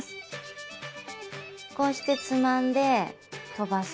こうしてつまんで飛ばす。